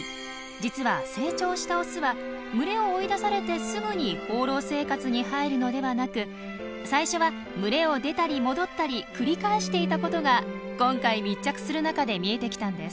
実は成長したオスは群れを追い出されてすぐに放浪生活に入るのではなく最初は群れを出たり戻ったり繰り返していたことが今回密着する中で見えてきたんです。